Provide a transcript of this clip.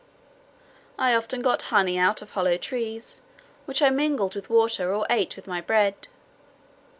I often got honey out of hollow trees, which I mingled with water, or ate with my bread.